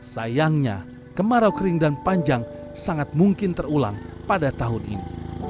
sayangnya kemarau kering dan panjang sangat mungkin terulang pada tahun ini